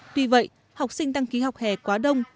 tuy vậy học sinh đăng ký học hè quá đông